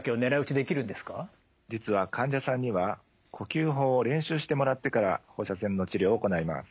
実は患者さんには呼吸法を練習してもらってから放射線の治療を行います。